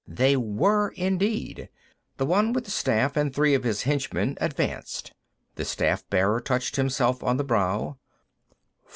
They were indeed. The one with the staff and three of his henchmen advanced. The staff bearer touched himself on the brow.